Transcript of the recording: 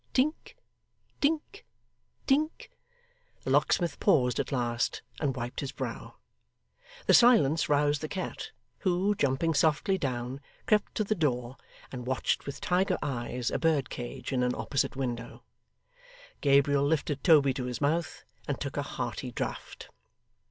Tink, tink, tink. The locksmith paused at last, and wiped his brow. The silence roused the cat, who, jumping softly down, crept to the door, and watched with tiger eyes a bird cage in an opposite window. Gabriel lifted Toby to his mouth, and took a hearty draught.